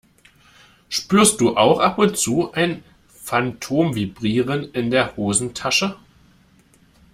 Spürst du auch ab und zu ein Phantomvibrieren in der Hosentasche?